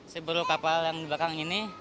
seburu kapal yang di belakang ini